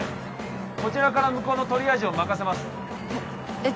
こちらから向こうのトリアージを任せますえっ